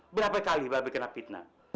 berapa kali babi kena fitnah